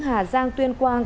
hà giang tuyên quang